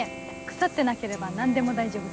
腐ってなければ何でも大丈夫です。